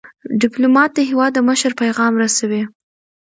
ډيپلومات د هیواد د مشر پیغام رسوي.